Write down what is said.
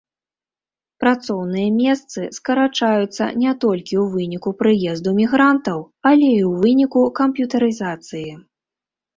Працоўныя месцы скарачаюцца не толькі ў выніку прыезду мігрантаў, але і ў выніку камп'ютарызацыі.